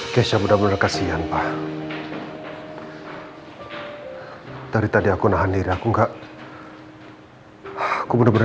kehidupan jemput kamu